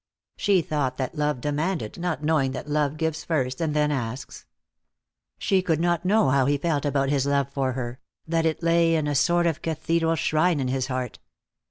She thought that love demanded, not knowing that love gives first, and then asks. She could not know how he felt about his love for her, that it lay in a sort of cathedral shrine in his heart.